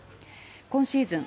今シーズン